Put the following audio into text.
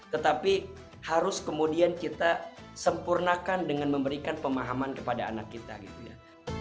tetapi harus kemudian kita sempurnakan dengan memberikan pemahaman kepada anak kita gitu ya